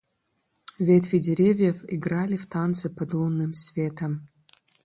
Ветви деревьев играли в танце под лунным светом.